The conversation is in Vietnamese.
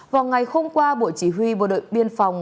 vào ngày hôm qua bộ chỉ huy bộ đội biên phòng